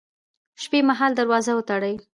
د شپې مهال دروازه وتړئ